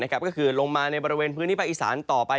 ก็คือลงมาในบริเวณพื้นที่ภาคอีสานต่อไป